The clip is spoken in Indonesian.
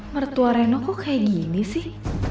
mertua reno kok kayak gini sih